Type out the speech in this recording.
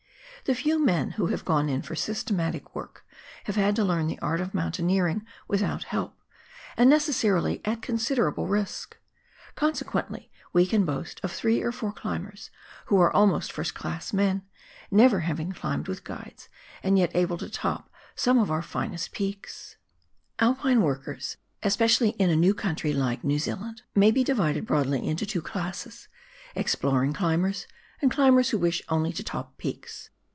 The few men who have gone in for systematic work have had to learn the art of mountaineering without help, and necessarily at considerable risk. Consequently we can boast of three or four climbers who are almost first class men, never having climbed with guides, and yet able to top some of our finest peaks. 1(5 PIONEER WORK IN THE ALPS OF NEW ZEALAND. Alpine workers, especially in a new country like New Zealand, may be divided broadly into two classes — exploring climbers, and climbers who wish only to top peaks.